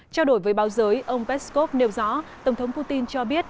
trao đổi với báo giới ông peskov nêu rõ tổng thống putin cho biết